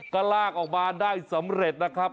ก็ลากออกมาได้สำเร็จนะครับ